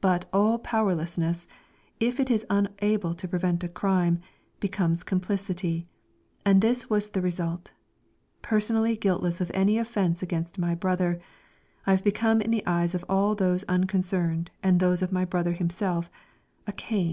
But all powerlessness, if it is unable to prevent a crime, becomes complicity; and this was the result: personally guiltless of any offence against my brother, I have become in the eyes of all those unconcerned and those of my brother himself, a Cain.